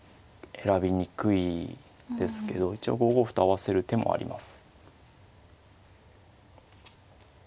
選びにくいですけど一応５五歩と合わせる手もあります。